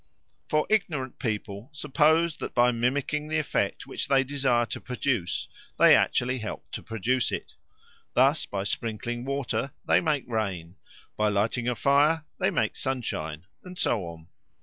For ignorant people suppose that by mimicking the effect which they desire to produce they actually help to produce it; thus by sprinkling water they make rain, by lighting a fire they make sunshine, and so on.